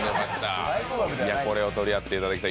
これを取り合っていただきたい。